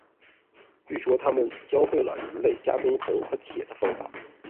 据说他们教给了人类加工铜和铁的方法。